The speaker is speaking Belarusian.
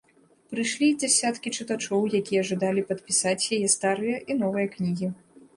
Прыйшлі дзясяткі чытачоў, якія жадалі падпісаць яе старыя і новыя кнігі.